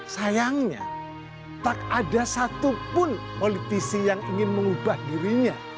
sayangnya tak ada satupun politisi yang ingin mengubah dirinya